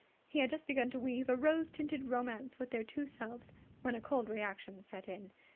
He had just begun to weave a rose tinted romance about their two selves, when a cold reaction set in.